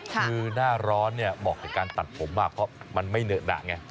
คือหน้าร้อนเนี่ยเหมาะกับการตัดผมเพราะมันไม่เหอะหนักไง